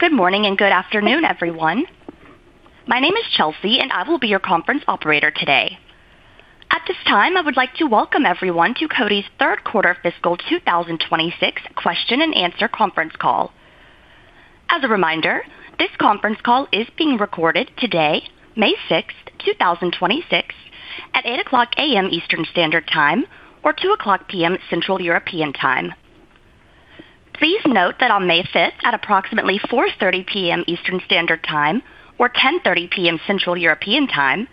Good morning, and good afternoon, everyone. My name is Chelsea, and I will be your conference operator today. At this time, I would like to welcome everyone to Coty's third quarter fiscal 2026 question-and-answer conference call. As a reminder, this conference call is being recorded today, May 6, 2026, at 8:00 A.M. Eastern Standard Time or 2:00 P.M. Central European Time. Please note that on May 5, at approximately 4:30 P.M. Eastern Standard Time or 10:30 P.M. Central European Time,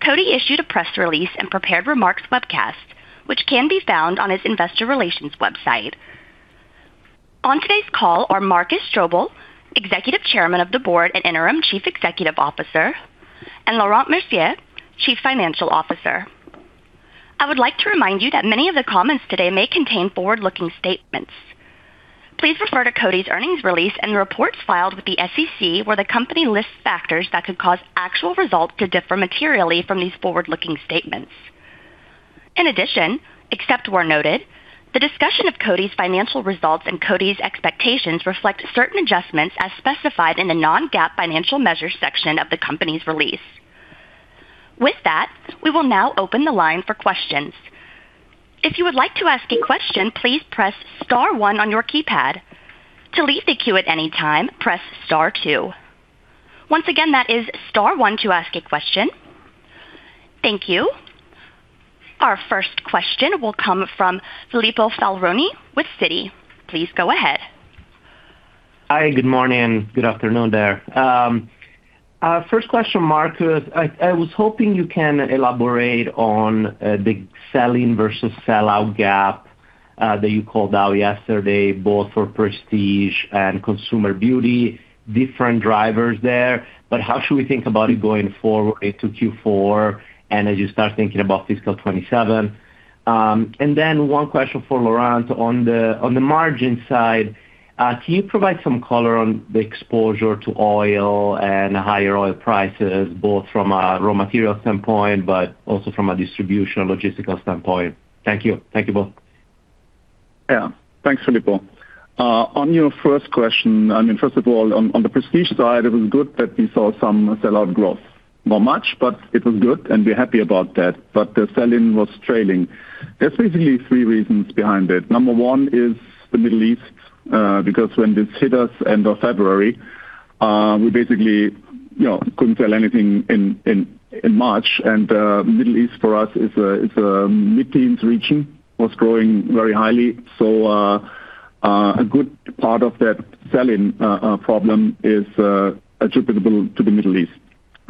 Coty issued a press release and prepared remarks webcast, which can be found on its investor relations website. On today's call are Markus Strobel, Executive Chairman of the Board and Interim Chief Executive Officer, and Laurent Mercier, Chief Financial Officer. I would like to remind you that many of the comments today may contain forward-looking statements. Please refer to Coty's earnings release and the reports filed with the SEC, where the company lists factors that could cause actual results to differ materially from these forward-looking statements. In addition, except where noted, the discussion of Coty's financial results and Coty's expectations reflect certain adjustments as specified in the Non-GAAP Financial Measures section of the company's release. With that, we will now open the line for questions. If you would like to ask a question, please press star one on your keypad. To leave the queue at any time, press star two. Once again, that is star one to ask a question. Thank you. Our first question will come from Filippo Falorni with Citi. Please go ahead. Hi. Good morning. Good afternoon there. First question, Markus. I was hoping you can elaborate on the sell-in versus sell-out gap that you called out yesterday, both for prestige and consumer beauty, different drivers there. How should we think about it going forward into Q4 and as you start thinking about fiscal 2027? One question for Laurent. On the margin side, can you provide some color on the exposure to oil and higher oil prices, both from a raw material standpoint but also from a distribution logistical standpoint? Thank you. Thank you both. Yeah. Thanks, Filippo. On your first question, I mean, first of all, on the prestige side, it was good that we saw some sell-out growth. Not much, but it was good, and we are happy about that. The sell-in was trailing. There are basically three reasons behind it. Number one is the Middle East, because when this hit us end of February, we basically, you know, couldn't sell anything in March. Middle East for us is a mid-teens region, was growing very highly. A good part of that sell-in problem is attributable to the Middle East.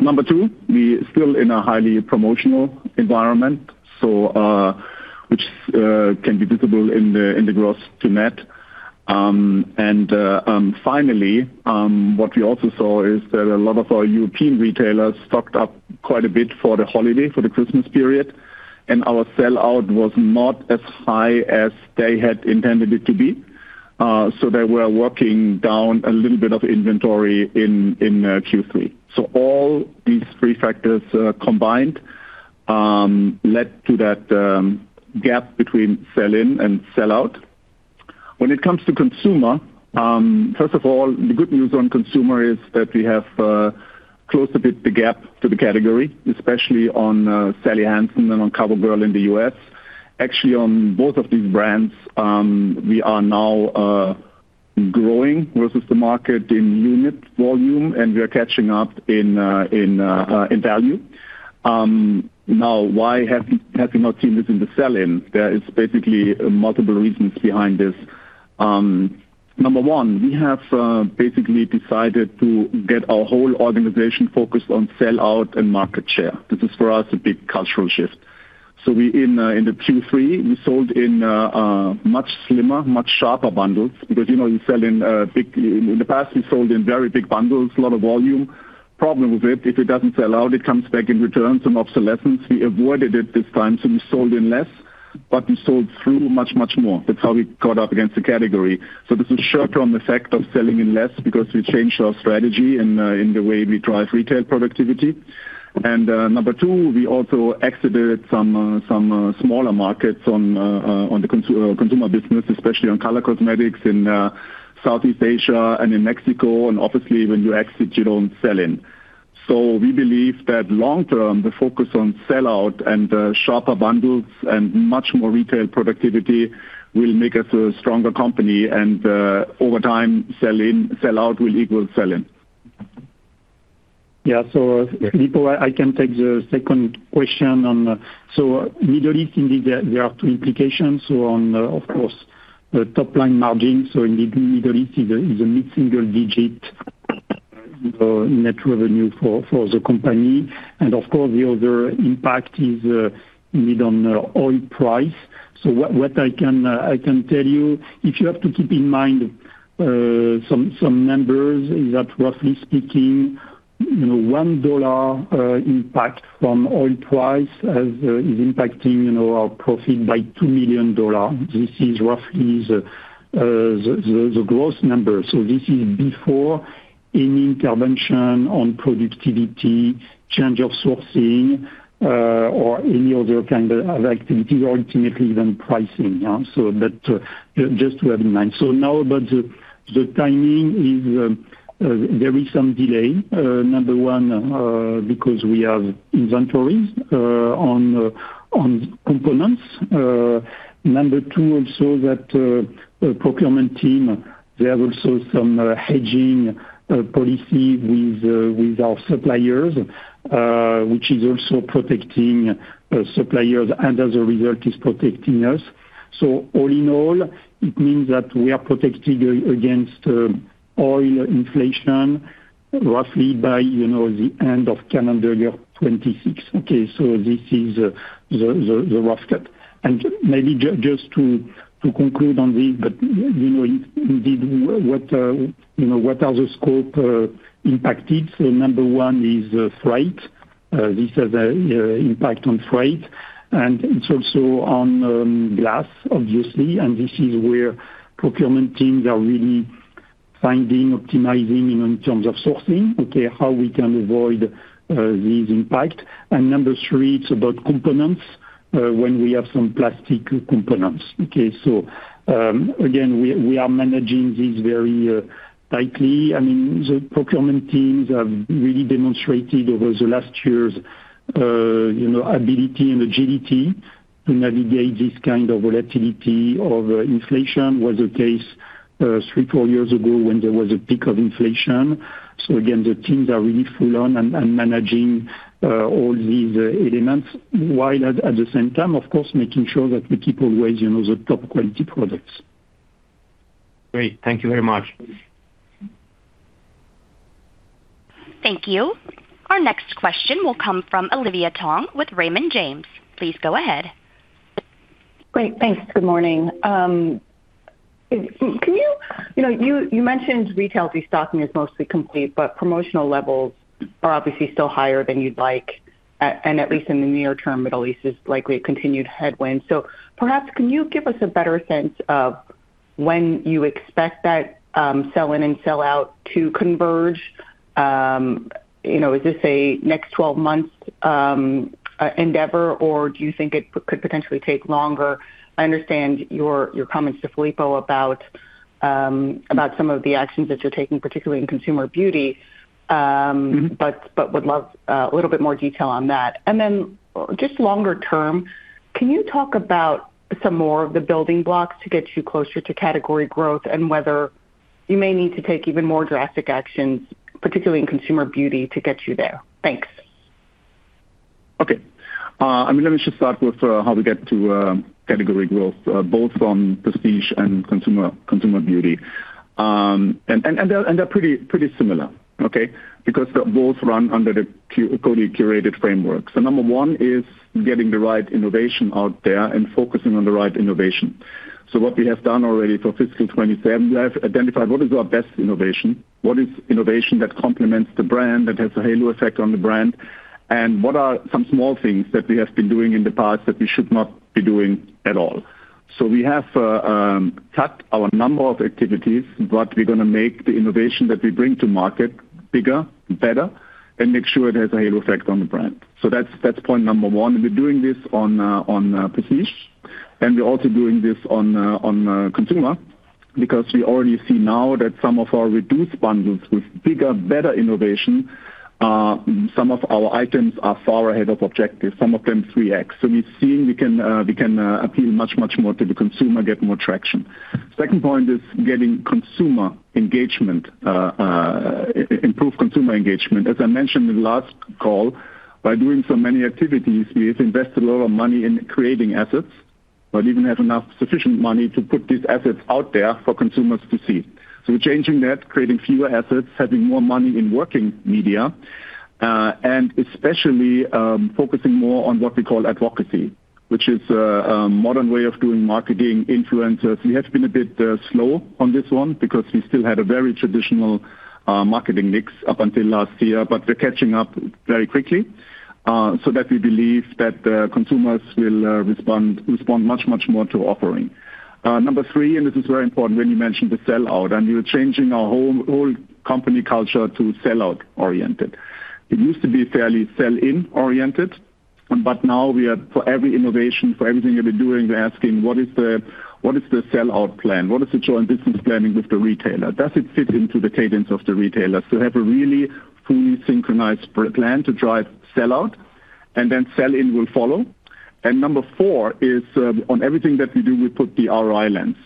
Number two, we still in a highly promotional environment, which can be visible in the gross to net. Finally, what we also saw is that a lot of our European retailers stocked up quite a bit for the holiday, for the Christmas period, and our sell-out was not as high as they had intended it to be, so they were working down a little bit of inventory in Q3. All these three factors combined led to that gap between sell-in and sell-out. When it comes to consumer, first of all, the good news on consumer is that we have closed a bit the gap to the category, especially on Sally Hansen and on COVERGIRL in the U.S. Actually, on both of these brands, we are now growing versus the market in unit volume, and we are catching up in value. Why have we not seen this in the sell-in? There is basically multiple reasons behind this. Number one, we have basically decided to get our whole organization focused on sell-out and market share. This is, for us, a big cultural shift. We in Q3, we sold in a much slimmer, much sharper bundles because, you know, we sell in in the past, we sold in very big bundles, a lot of volume. Problem with it, if it doesn't sell out, it comes back in returns and obsolescence. We avoided it this time, we sold in less, we sold through much, much more. That's how we caught up against the category. This is short-term effect of selling in less because we changed our strategy in the way we drive retail productivity. Number two, we also exited some smaller markets on the consumer business, especially on color cosmetics in Southeast Asia and in Mexico. Obviously, when you exit, you don't sell in. We believe that long term, the focus on sell-out and sharper bundles and much more retail productivity will make us a stronger company, over time, sell-out will equal sell-in. Yeah. Filippo, I can take the second question on Middle East. Indeed, there are two implications on, of course, top line margin. Indeed, Middle East is a mid-single-digit net revenue for the company. Of course, the other impact is made on the oil price. What I can tell you, if you have to keep in mind some numbers, is that roughly speaking, you know, a $1 impact from oil price is impacting, you know, our profit by $2 million. This is roughly the gross number. This is before any intervention on productivity, change of sourcing, any other kind of activities or ultimately even pricing. That, just to have in mind. Now about the timing is, there is some delay. Number 1, because we have inventories on components. Number two, also that procurement team, they have also some hedging policy with our suppliers, which is also protecting suppliers and as a result is protecting us. All in all, it means that we are protected against oil inflation roughly by the end of calendar year 2026. Okay. This is the rough cut. Maybe just to conclude on this, indeed what are the scope impacted. Number 1 is freight. This has a impact on freight, and it's also on glass obviously. This is where procurement teams are really finding, optimizing in terms of sourcing, how we can avoid this impact. Number three, it's about components, when we have some plastic components. Again, we are managing this very tightly. I mean, the procurement teams have really demonstrated over the last years, you know, ability and agility to navigate this kind of volatility of inflation. Was the case three, four years ago when there was a peak of inflation. Again, the teams are really full on and managing all these elements while at the same time, of course, making sure that we keep always, you know, the top quality products. Great. Thank you very much. Thank you. Our next question will come from Olivia Tong with Raymond James. Please go ahead. Great. Thanks. Good morning. You know, you mentioned retail destocking is mostly complete, but promotional levels are obviously still higher than you'd like, and at least in the near term, is likely a continued headwind. Perhaps can you give us a better sense of when you expect that sell-in and sell out to converge? You know, is this a next 12 months endeavor, or do you think it could potentially take longer? I understand your comments to Filippo about some of the actions that you're taking, particularly in consumer beauty. Would love a little bit more detail on that. Just longer term, can you talk about some more of the building blocks to get you closer to category growth and whether you may need to take even more drastic actions, particularly in consumer beauty, to get you there? Thanks. Okay. I mean, let me just start with how we get to category growth, both from prestige and consumer beauty. They're pretty similar. Because they're both run under the Coty. Curated. framework. Number one is getting the right innovation out there and focusing on the right innovation. What we have done already for fiscal 2027, we have identified what is our best innovation, what is innovation that complements the brand, that has a halo effect on the brand, and what are some small things that we have been doing in the past that we should not be doing at all. We have cut our number of activities, but we're gonna make the innovation that we bring to market bigger, better, and make sure it has a halo effect on the brand. That's point number one. We're doing this on prestige, and we're also doing this on consumer because we already see now that some of our reduced bundles with bigger, better innovation, some of our items are far ahead of objective, some of them 3x. We've seen we can appeal much more to the consumer, get more traction. Second point is getting consumer engagement, improve consumer engagement. As I mentioned in the last call, by doing so many activities, we have invested a lot of money in creating assets, but even have enough sufficient money to put these assets out there for consumers to see. We're changing that, creating fewer assets, having more money in working media, and especially, focusing more on what we call advocacy, which is a modern way of doing marketing influencers. We have been a bit slow on this one because we still had a very traditional marketing mix up until last year, but we're catching up very quickly, so that we believe that consumers will respond much more to offering. Number three, and this is very important when you mentioned the sellout, and we're changing our whole company culture to sellout oriented. It used to be fairly sell-in oriented, but now we are, for every innovation, for everything that we're doing, we're asking what is the sellout plan? What is the joint business planning with the retailer? Does it fit into the cadence of the retailer? We have a really fully synchronized plan to drive sellout, and then sell-in will follow. Number four is, on everything that we do, we put the ROI lens.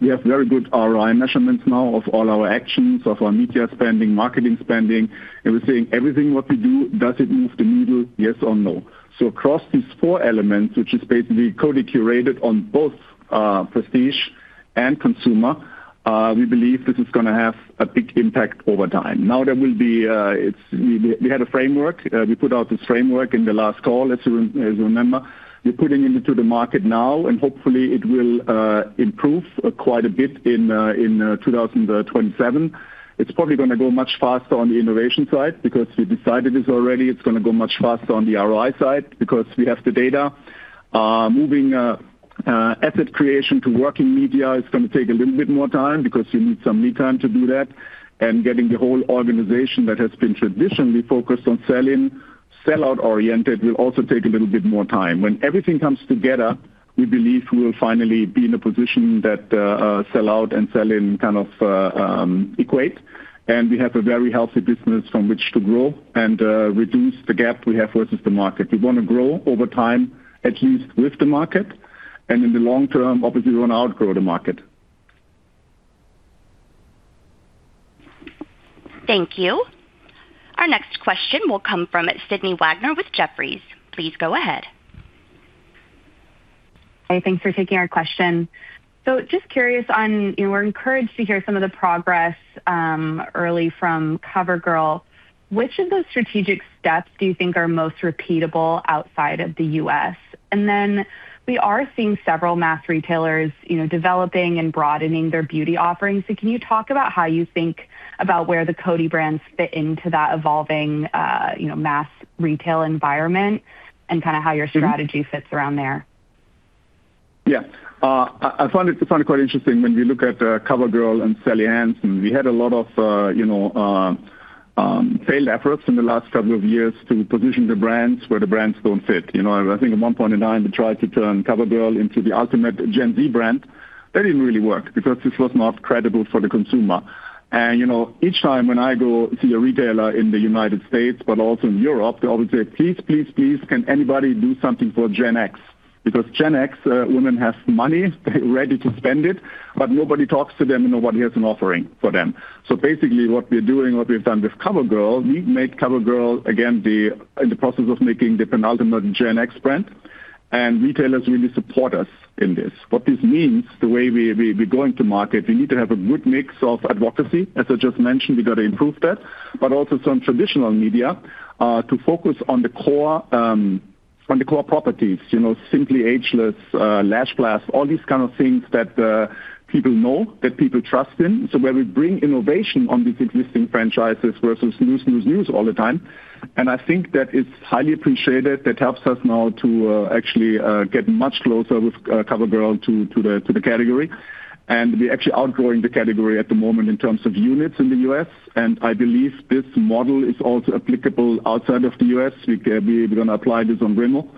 We have very good ROI measurements now of all our actions, of our media spending, marketing spending, and we're saying everything what we do, does it move the needle, yes or no? Across these four elements, which is basically Coty. Curated. on both prestige and consumer, we believe this is gonna have a big impact over time. There will be, we had a framework. We put out this framework in the last call, as you remember. We're putting into the market now, and hopefully it will improve quite a bit in 2027. It's probably gonna go much faster on the innovation side because we decided this already. It's gonna go much faster on the ROI side because we have the data. Moving asset creation to working media is gonna take a little bit more time because you need some lead time to do that. Getting the whole organization that has been traditionally focused on sell-in, sellout-oriented will also take a little bit more time. When everything comes together, we believe we will finally be in a position that sell out and sell in kind of equate. We have a very healthy business from which to grow and reduce the gap we have versus the market. We wanna grow over time, at least with the market, and in the long term, obviously, we wanna outgrow the market. Thank you. Our next question will come from Sydney Wagner with Jefferies. Please go ahead. Hi, thanks for taking our question. Just curious on, you know, we're encouraged to hear some of the progress early from COVERGIRL. Which of those strategic steps do you think are most repeatable outside of the U.S.? We are seeing several mass retailers, you know, developing and broadening their beauty offerings. Can you talk about how you think about where the Coty brands fit into that evolving, you know, mass retail environment and kinda how your strategy fits around there? Yeah. I find it quite interesting when you look at COVERGIRL and Sally Hansen. We had a lot of, you know, failed efforts in the last couple of years to position the brands where the brands don't fit. You know, I think at one point in time, we tried to turn COVERGIRL into the ultimate Gen Z brand. That didn't really work because this was not credible for the consumer. You know, each time when I go see a retailer in the United States but also in Europe, they always say, "Please, can anybody do something for Gen X?" Gen X women have money, ready to spend it, but nobody talks to them and nobody has an offering for them. Basically, what we are doing, what we've done with COVERGIRL, we've made COVERGIRL again in the process of making the penultimate Gen X brand, and retailers really support us in this. What this means, the way we're going to market, we need to have a good mix of advocacy. As I just mentioned, we gotta improve that. Also some traditional media to focus on the core on the core properties. You know, Simply Ageless, LashBlast, all these kind of things that people know, that people trust in. Where we bring innovation on these existing franchises versus new all the time, and I think that it's highly appreciated. That helps us now to actually get much closer with COVERGIRL to the category. We're actually outgrowing the category at the moment in terms of units in the U.S., and I believe this model is also applicable outside of the U.S. We're gonna apply this on Rimmel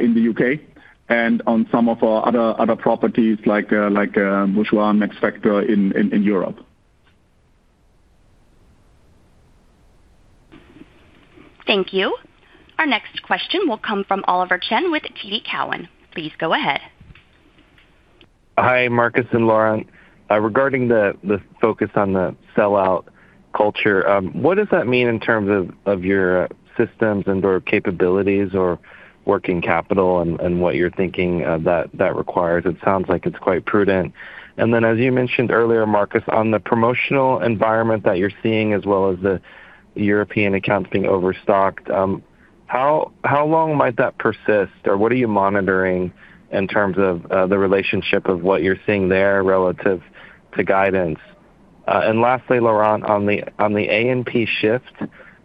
in the U.K., and on some of our other properties like Bourjois and Max Factor in Europe. Thank you. Our next question will come from Oliver Chen with TD Cowen. Please go ahead. Hi, Markus and Laurent. Regarding the focus on the sellout culture, what does that mean in terms of your systems and/or capabilities or working capital and what you're thinking that requires? It sounds like it's quite prudent. As you mentioned earlier, Markus, on the promotional environment that you're seeing as well as the European accounts being overstocked, how long might that persist or what are you monitoring in terms of the relationship of what you're seeing there relative to guidance? Lastly, Laurent, on the A&CP shift,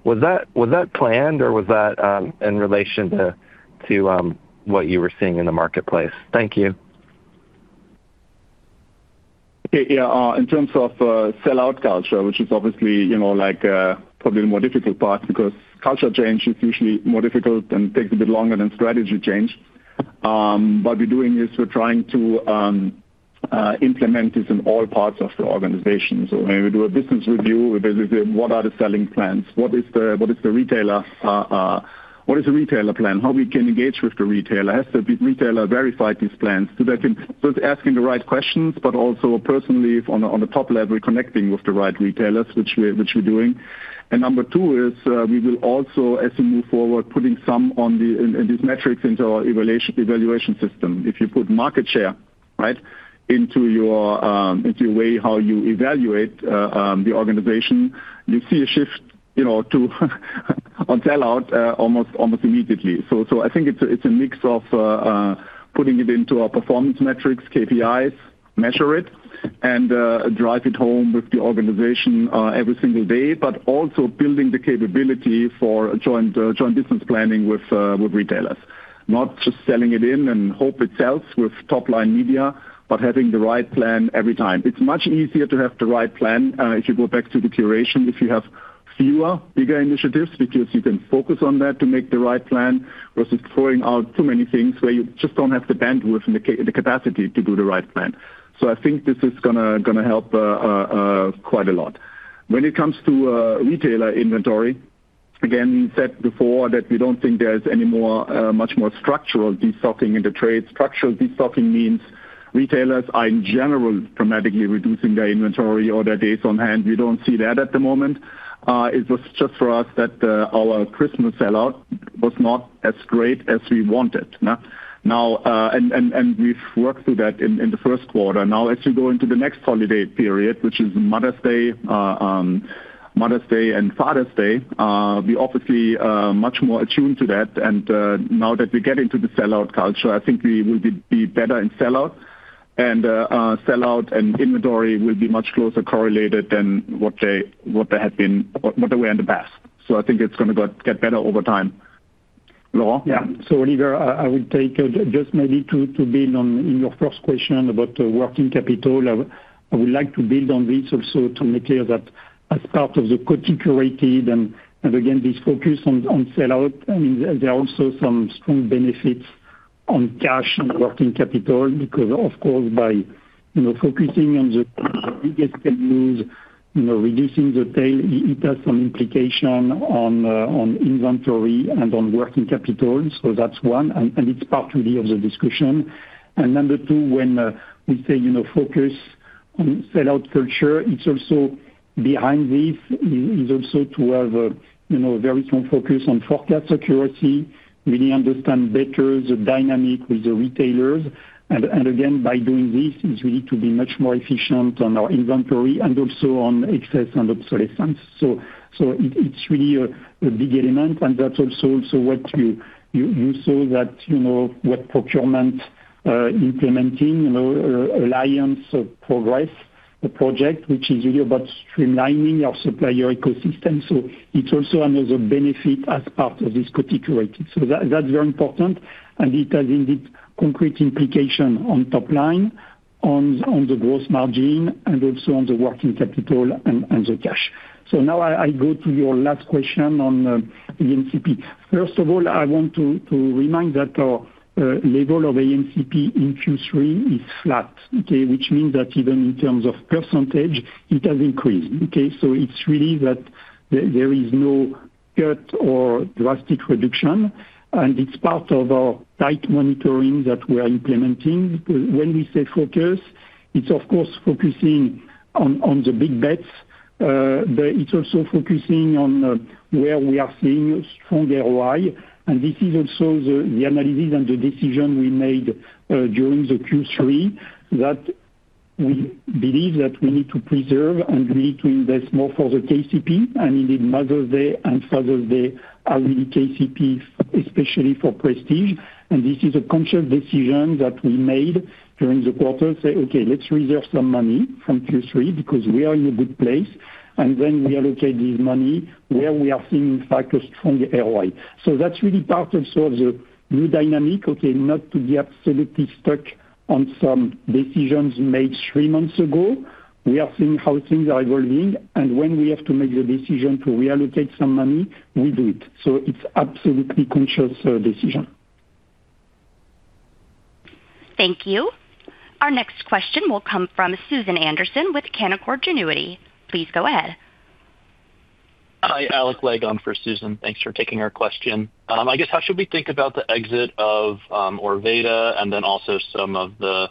was that planned or was that in relation to what you were seeing in the marketplace? Thank you. Okay. Yeah, in terms of sellout culture, which is obviously, you know, like, probably the more difficult part because culture change is usually more difficult and takes a bit longer than strategy change. What we're doing is we're trying to implement this in all parts of the organization. When we do a business review, we basically say what are the selling plans? What is the retailer plan? How we can engage with the retailer? Has the retailer verified these plans? It's asking the right questions. Also personally if on a top level, we're connecting with the right retailers, which we're doing. Number two is, we will also, as we move forward, putting some of these metrics into our evaluation system. If you put market share, right, into your way how you evaluate the organization, you see a shift, you know, to on sellout almost immediately. I think it's a mix of putting it into our performance metrics, KPIs, measure it and drive it home with the organization every single day, but also building the capability for a joint business planning with retailers. Not just selling it in and hope it sells with top-line media, but having the right plan every time. It's much easier to have the right plan, if you go back to the curation, if you have fewer bigger initiatives because you can focus on that to make the right plan versus throwing out too many things where you just don't have the bandwidth and the capacity to do the right plan. I think this is gonna help quite a lot. When it comes to retailer inventory, again, we said before that we don't think there's any more much more structural de-stocking in the trade. Structural de-stocking means retailers are in general dramatically reducing their inventory or their days on hand. We don't see that at the moment. It was just for us that our Christmas sellout was not as great as we wanted, yeah? We've worked through that in the first quarter. As we go into the next holiday period, which is Mother's Day and Father's Day, we obviously are much more attuned to that. Now that we get into the sellout culture, I think we will be better in sellout. Sellout and inventory will be much closer correlated than what they were in the past. I think it's gonna go get better over time. Laurent? Yeah. Oliver, I would take, just maybe to build on in your first question about working capital. I would like to build on this also to make clear that as part of the Coty. Curated. and again, this focus on sellout, I mean, there are also some strong benefits on cash and working capital because of course, by, you know, focusing on the biggest SKUs, you know, reducing the tail, it has some implication on inventory and on working capital. That's one. And it's part really of the discussion. And number two, when we say, you know, focus on sellout culture, it's also behind this is also to have a very strong focus on forecast security, really understand better the dynamic with the retailers. Again, by doing this is really to be much more efficient on our inventory and also on excess and obsolescence. It's really a big element, and that's also what you saw that, you know, what procurement implementing, you know, alliance of project, which is really about streamlining our supplier ecosystem. It's also another benefit as part of this Coty. Curated. That's very important, and it has indeed concrete implication on top line, on the gross margin and also on the working capital and the cash. Now I go to your last question on A&CP. First of all, I want to remind that our level of A&CP in Q3 is flat. Which means that even in terms of percentage, it has increased. It's really that there is no cut or drastic reduction, and it's part of our tight monitoring that we are implementing. Because when we say focus, it's of course focusing on the big bets. But it's also focusing on where we are seeing strong ROI. This is also the analysis and the decision we made during the Q3 that we believe that we need to preserve and we need to invest more for the KCP and indeed Mother's Day and Father's Day are really KCP, especially for prestige. This is a conscious decision that we made during the quarter to say, "Okay, let's reserve some money from Q3 because we are in a good place," and then reallocate this money where we are seeing in fact a strong ROI. That's really part also of the new dynamic, okay? Not to be absolutely stuck on some decisions made three months ago. We are seeing how things are evolving, and when we have to make the decision to reallocate some money, we do it. It's absolutely conscious decision. Thank you. Our next question will come from Susan Anderson with Canaccord Genuity. Please go ahead. Hi, Alec Legg on for Susan. Thanks for taking our question. I guess how should we think about the exit of Orveda and then also some of the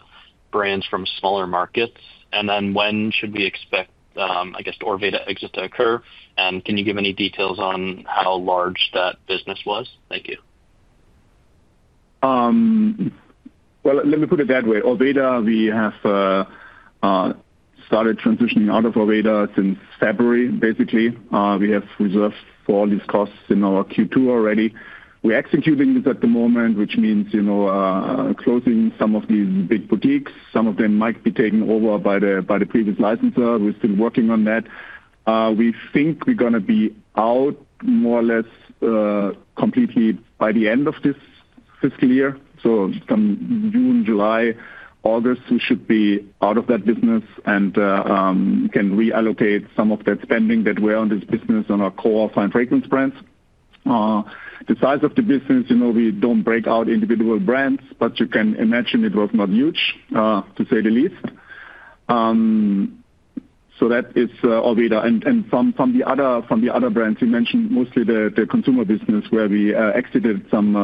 brands from smaller markets? When should we expect, I guess the Orveda exit to occur? Can you give any details on how large that business was? Thank you. Let me put it that way. Orveda, we have started transitioning out of Orveda since February, basically. We have reserved for all these costs in our Q2 already. We're executing this at the moment, which means, you know, closing some of these big boutiques. Some of them might be taken over by the previous licenser. We're still working on that. We think we're gonna be out more or less completely by the end of this fiscal year. Come June, July, August, we should be out of that business and can reallocate some of that spending that were on this business on our core fine fragrance brands. The size of the business, you know, we don't break out individual brands, but you can imagine it was not huge to say the least. That is Orveda. From the other brands you mentioned, mostly the consumer business where we exited some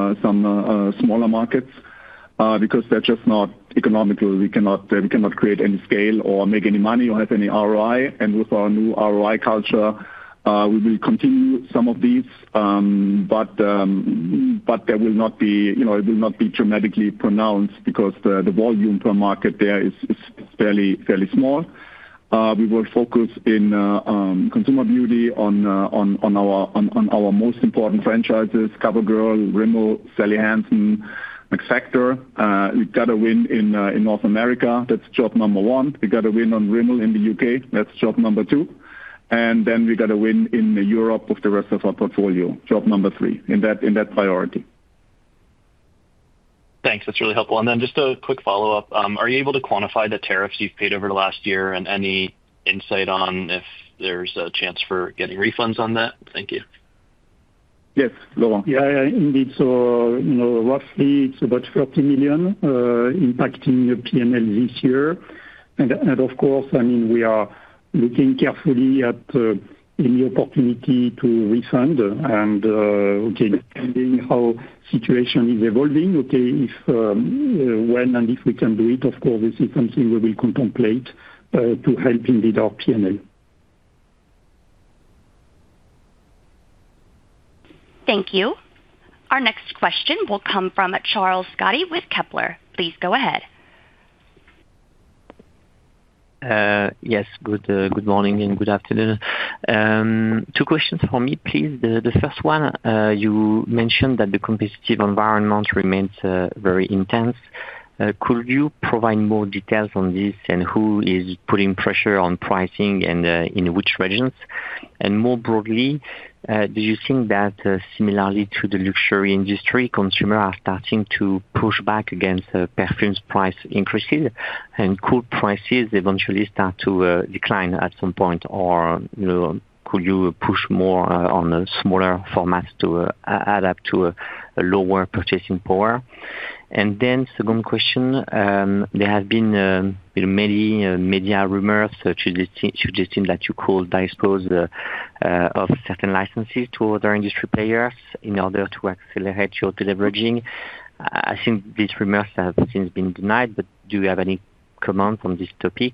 smaller markets because they're just not economical. We cannot create any scale or make any money or have any ROI. With our new ROI culture, we will continue some of these. But there will not be You know, it will not be dramatically pronounced because the volume per market there is fairly small. We will focus in consumer beauty on our most important franchises, COVERGIRL, Rimmel, Sally Hansen, Max Factor. We've got a win in North America. That's job number one. We got a win on Rimmel in the U.K. That's job number two. We got a win in Europe with the rest of our portfolio, job number 3, in that, in that priority Thanks. That's really helpful. Just a quick follow-up. Are you able to quantify the tariffs you've paid over the last year and any insight on if there's a chance for getting refunds on that? Thank you. Yes. Laurent? Yeah, yeah. Indeed. You know, roughly it's about $30 million impacting the P&L this year. Of course, I mean, we are looking carefully at any opportunity to refund and depending how situation is evolving, if, when and if we can do it, of course, this is something we will contemplate to help indeed our P&L. Thank you. Our next question will come from Charles Scotti with Kepler. Please go ahead. Yes. Good morning and good afternoon. Two questions for me, please. The first one, you mentioned that the competitive environment remains very intense. Could you provide more details on this and who is putting pressure on pricing and in which regions? More broadly, do you think that, similarly to the luxury industry, consumer are starting to push back against the perfumes price increases? Could prices eventually start to decline at some point? You know, could you push more on the smaller formats to adapt to a lower purchasing power? Second question, there have been, you know, many media rumors suggesting that you could dispose of certain licenses to other industry players in order to accelerate your deleveraging. I think these rumors have since been denied. Do you have any comments on this topic?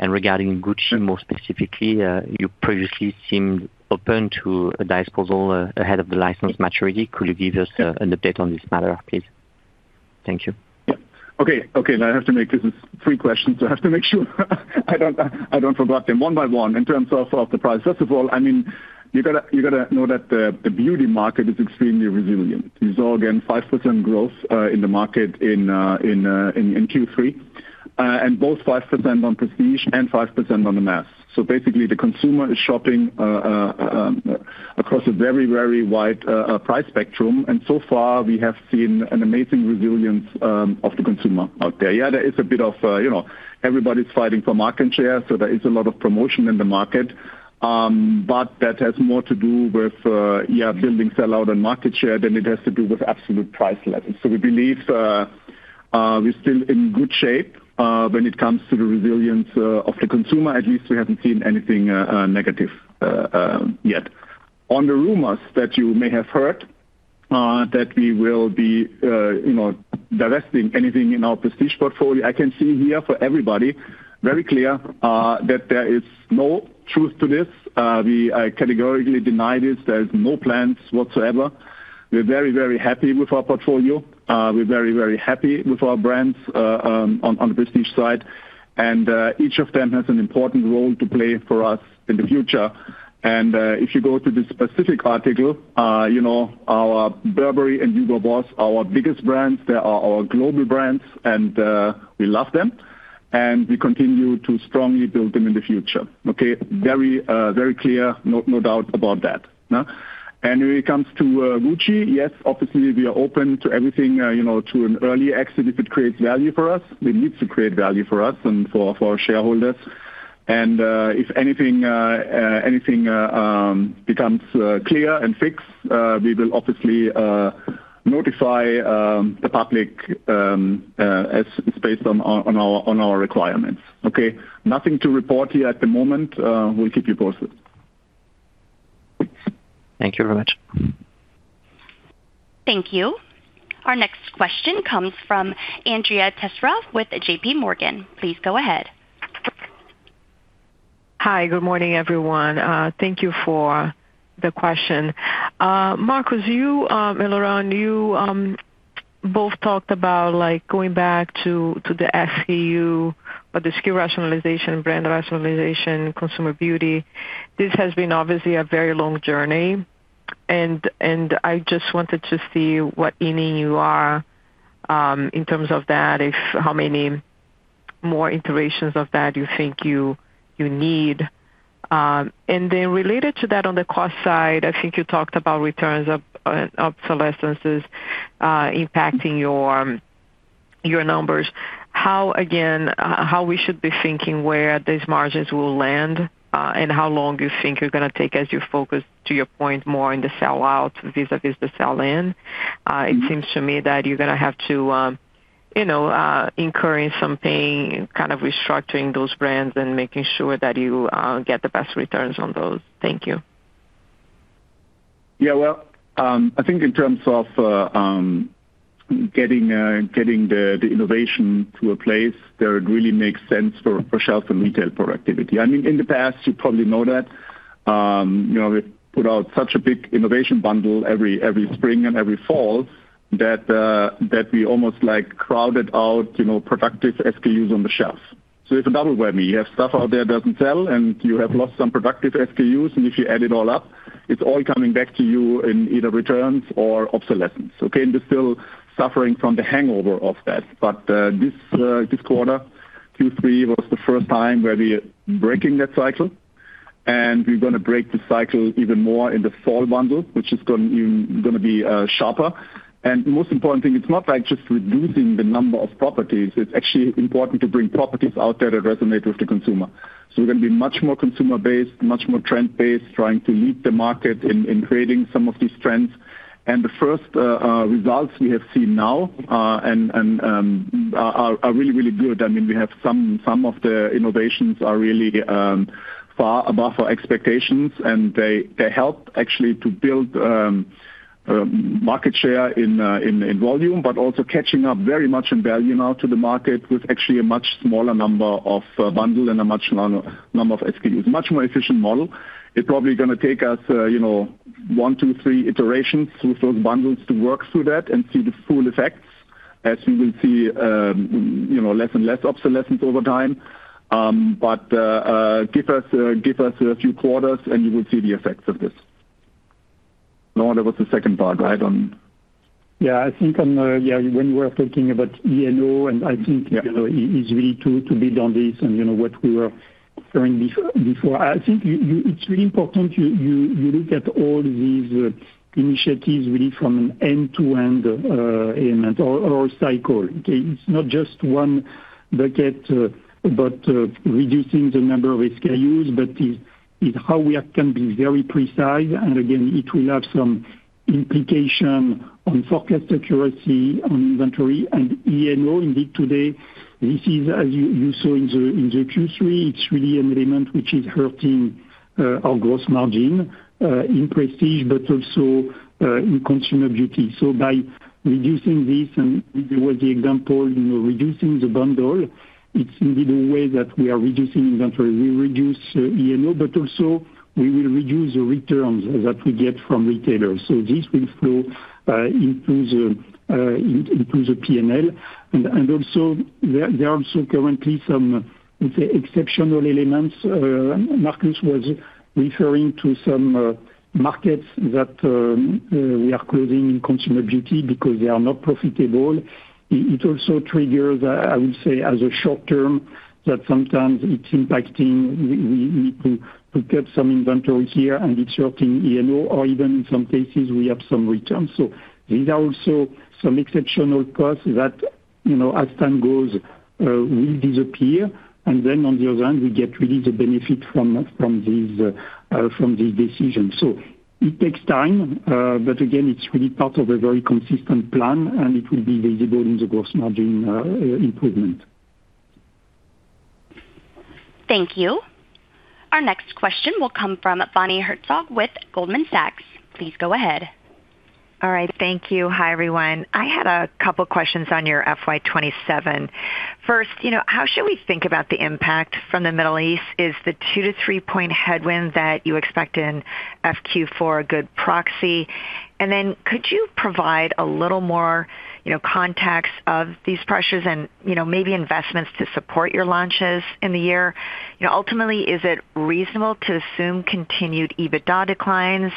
Regarding Gucci more specifically, you previously seemed open to a disposal ahead of the license maturity. Could you give us an update on this matter, please? Thank you. Yeah. Okay, okay. Now I have to make this as three questions, so I have to make sure I don't forgot them one by one. In terms of the price, first of all, I mean, you gotta know that the beauty market is extremely resilient. You saw again 5% growth in the market in Q3. Both 5% on prestige and 5% on the mass. Basically, the consumer is shopping across a very, very wide price spectrum. So far we have seen an amazing resilience of the consumer out there. Yeah, there is a bit of, you know, everybody's fighting for market share, so there is a lot of promotion in the market. That has more to do with building sell out and market share than it has to do with absolute price levels. We believe we're still in good shape when it comes to the resilience of the consumer. At least we haven't seen anything negative yet. On the rumors that you may have heard that we will be divesting anything in our prestige portfolio, I can say here for everybody, very clear, that there is no truth to this. We categorically deny this. There's no plans whatsoever. We're very happy with our portfolio. We're very happy with our brands on the prestige side. Each of them has an important role to play for us in the future. If you go to the specific article, our Burberry and Hugo Boss, our biggest brands, they are our global brands, we love them. We continue to strongly build them in the future. Okay. Very clear. No doubt about that. No. When it comes to Gucci, yes, obviously we are open to everything, to an early exit if it creates value for us. It needs to create value for us and for our shareholders. If anything becomes clear and fixed, we will obviously notify the public as is based on our requirements. Okay. Nothing to report here at the moment. We'll keep you posted. Thank you very much. Thank you. Our next question comes from Andrea Teixeira with JPMorgan. Please go ahead. Hi, good morning, everyone. Thank you for the question. Markus, you, and Laurent, you, both talked about going back to the SKU, the SKU rationalization, brand rationalization, consumer beauty. This has been obviously a very long journey, I just wanted to see what inning you are in terms of that, if how many more iterations of that you think you need. Related to that, on the cost side, I think you talked about returns of obsolescence impacting your numbers. How, again, how we should be thinking where these margins will land, how long you think you're gonna take as you focus, to your point, more on the sell out vis-a-vis the sell-in. It seems to me that you're gonna have to, you know, incurring something, kind of restructuring those brands and making sure that you get the best returns on those. Thank you. Well, I think in terms of getting the innovation to a place where it really makes sense for shelf and retail productivity. I mean, in the past, you probably know that, you know, we put out such a big innovation bundle every spring and every fall that we almost like crowded out, you know, productive SKUs on the shelf. So it's a double-whammy. You have stuff out there doesn't sell, and you have lost some productive SKUs, and if you add it all up, it's all coming back to you in either returns or obsolescence. Okay? We're still suffering from the hangover of that. This quarter, Q3, was the first time where we are breaking that cycle, and we're gonna break the cycle even more in the fall bundle, which is gonna even be sharper. The most important thing, it's not like just reducing the number of properties. It's actually important to bring properties out there that resonate with the consumer. We're gonna be much more consumer-based, much more trend-based, trying to meet the market in creating some of these trends. The first results we have seen now, and are really, really good. I mean, we have some of the innovations are really far above our expectations, and they help actually to build market share in volume, but also catching up very much in value now to the market with actually a much smaller number of bundle and a much lower number of SKUs. Much more efficient model. It probably going to take us, you know, one, two, three iterations through those bundles to work through that and see the full effects. As you will see, you know, less and less obsolescence over time. Give us a few quarters, and you will see the effects of this. Laurent, there was a second part, right? When we were talking about E&O. Yeah You know, it is really to build on this and, you know, what we were referring before. I think it's really important you look at all these initiatives really from an end-to-end element or cycle. It's not just one bucket, but reducing the number of SKUs, but how we are can be very precise. Again, it will have some implication on forecast accuracy, on inventory and E&O. Indeed today, this is, as you saw in the Q3, it's really an element which is hurting our gross margin in prestige, but also in consumer beauty. By reducing this and with the working example, you know, reducing the bundle, it's indeed a way that we are reducing inventory. We reduce E&O, also we will reduce the returns that we get from retailers. This will flow into the P&L. Also there are also currently some, let's say, exceptional elements. Markus was referring to some markets that we are closing in consumer beauty because they are not profitable. It also triggers, I would say as a short term, that sometimes it's impacting we need to get some inventory here, and it's hurting E&O or even in some cases we have some returns. These are also some exceptional costs that, you know, as time goes, will disappear. On the other hand, we get really the benefit from these decisions. It takes time, but again, it's really part of a very consistent plan, and it will be visible in the gross margin improvement. Thank you. Our next question will come from Bonnie Herzog with Goldman Sachs. Please go ahead. All right, thank you. Hi, everyone. I had a couple questions on your FY 2027. First, you know, how should we think about the impact from the Middle East? Is the two to three point headwind that you expect in FQ4 a good proxy? Could you provide a little more, you know, context of these pressures and, you know, maybe investments to support your launches in the year? You know, ultimately, is it reasonable to assume continued EBITDA declines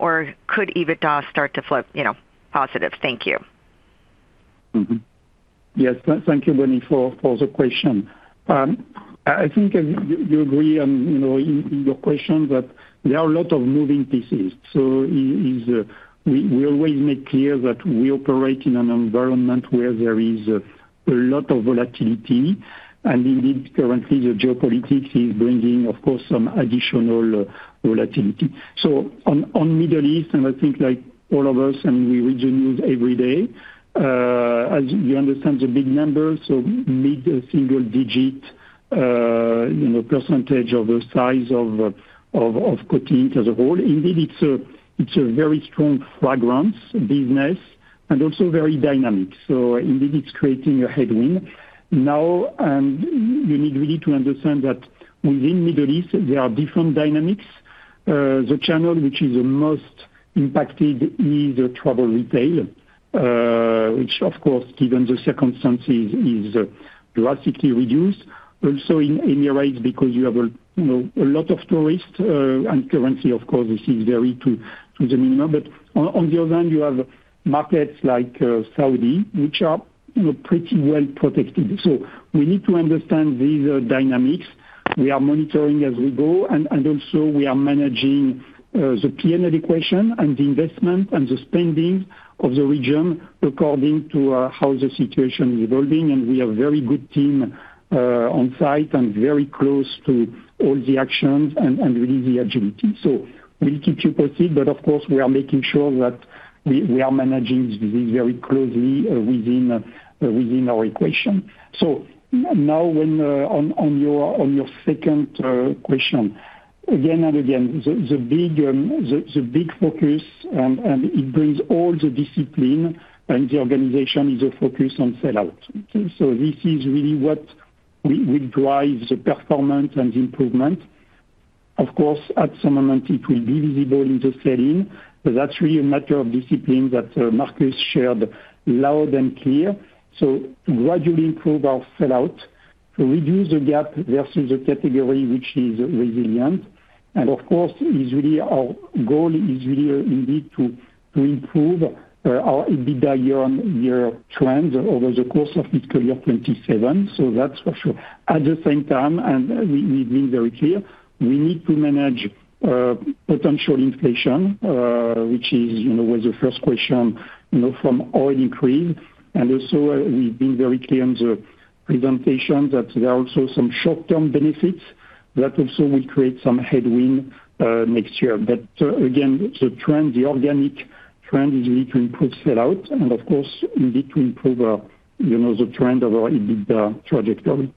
or could EBITDA start to flip, you know, positive? Thank you. Yes. Thank you, Bonnie, for the question. I think you agree on, you know, in your question that there are a lot of moving pieces. We always make clear that we operate in an environment where there is a lot of volatility. Indeed currently the geopolitics is bringing, of course, some additional volatility. On Middle East, I think like all of us and we read the news every day, as we understand the big numbers, mid-single-digit percentage of the size of Coty as a whole. Indeed, it's a very strong fragrance business and also very dynamic. Indeed it's creating a headwind. Now, you need really to understand that within Middle East there are different dynamics. The channel which is the most impacted is travel retail, which of course given the circumstances is drastically reduced. Also in the Emirates because you have a, you know, a lot of tourists, and currency of course this is very to the minimum. On the other hand, you have markets like Saudi, which are, you know, pretty well protected. We need to understand these dynamics. We are monitoring as we go and also we are managing the P&L equation and the investment and the spending of the region according to how the situation is evolving. We have very good team on site and very close to all the actions and really the agility. We'll keep you posted, but of course we are making sure that we are managing this very closely within our equation. Now when on your second question. Again and again, the big focus and it brings all the discipline and the organization is a focus on sell-out. This is really what will drive the performance and the improvement. Of course, at some moment it will be visible in the selling, but that's really a matter of discipline that Markus shared loud and clear. Gradually improve our sell-out to reduce the gap versus the category which is resilient. Of course is really our goal is really indeed to improve our EBITDA year on year trends over the course of fiscal year 2027. That's for sure. At the same time, we've been very clear, we need to manage potential inflation, which is, you know, was the first question, you know, from oil increase. Also we've been very clear on the presentation that there are also some short-term benefits that also will create some headwind next year. Again, the trend, the organic trend is really to improve sell-out and of course indeed to improve, you know, the trend of our EBITDA trajectory.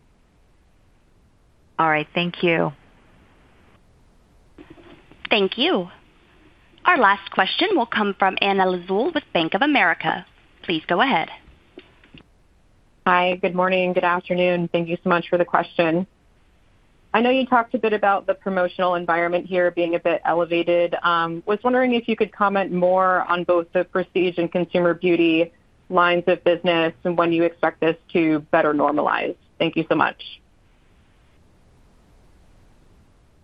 All right. Thank you. Thank you. Our last question will come from Anna Lizzul with Bank of America. Please go ahead. Hi, good morning. Good afternoon. Thank you so much for the question. I know you talked a bit about the promotional environment here being a bit elevated. I was wondering if you could comment more on both the prestige and consumer beauty lines of business and when you expect this to better normalize. Thank you so much.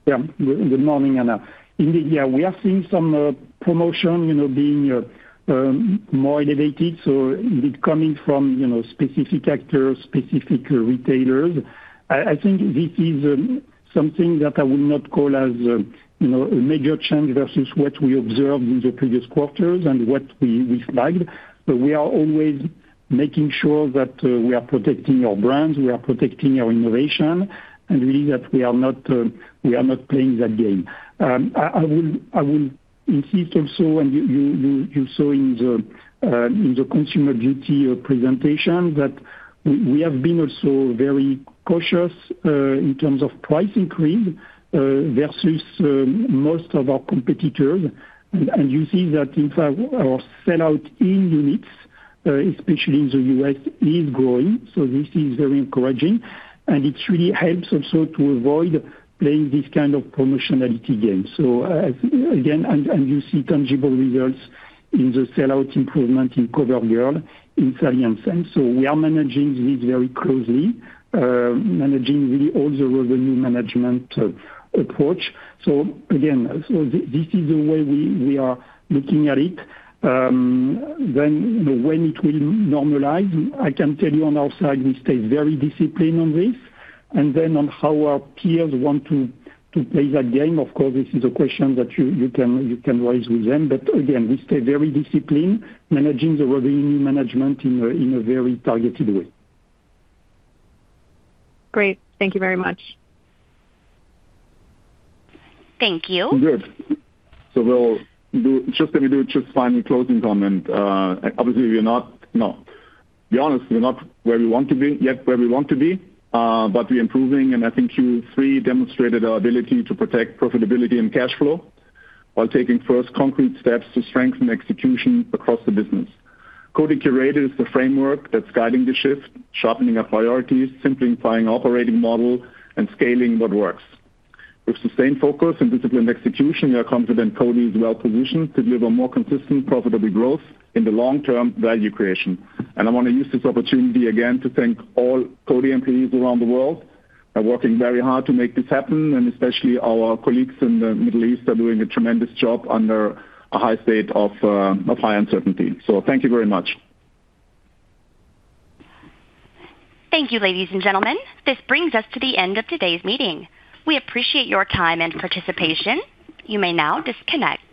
Good morning, Anna Lizzul. Indeed, we are seeing some promotion, you know, being more elevated. It is coming from, you know, specific actors, specific retailers. I think this is something that I would not call as, you know, a major change versus what we observed in the previous quarters and what we flagged. We are always making sure that we are protecting our brands, we are protecting our innovation, and really that we are not playing that game. I will insist also, and you saw in the consumer beauty presentation that we have been also very cautious in terms of price increase versus most of our competitors. You see that in fact our sellout in units, especially in the U.S. is growing, this is very encouraging. It really helps also to avoid playing this kind of promotionality game. You see tangible results in the sellout improvement in COVERGIRL, in Sally Hansen. We are managing this very closely, managing really all the revenue management approach. This is the way we are looking at it. You know, when it will normalize, I can tell you on our side, we stay very disciplined on this. On how our peers want to play that game, of course, this is a question that you can raise with them. We stay very disciplined managing the revenue management in a very targeted way. Great. Thank you very much. Thank you. Good. Let me do just final closing comment. Obviously we are not where we want to be yet, but we're improving, and I think Q3 demonstrated our ability to protect profitability and cash flow while taking first concrete steps to strengthen execution across the business. Coty. Curated. Is the framework that's guiding the shift, sharpening our priorities, simplifying operating model, and scaling what works. With sustained focus and disciplined execution, we are confident Coty is well-positioned to deliver more consistent profitable growth in the long-term value creation. I wanna use this opportunity again to thank all Coty employees around the world are working very hard to make this happen, and especially our colleagues in the Middle East are doing a tremendous job under a high state of high uncertainty. Thank you very much. Thank you, ladies and gentlemen. This brings us to the end of today's meeting. We appreciate your time and participation. You may now disconnect.